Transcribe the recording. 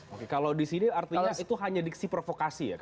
oke kalau di sini artinya itu hanya diksi provokasi ya